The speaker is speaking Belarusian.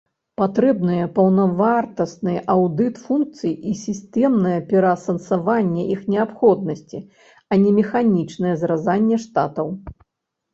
Патрэбныя паўнавартасны аўдыт функцый і сістэмнае пераасэнсаванне іх неабходнасці, а не механічнае зразанне штатаў.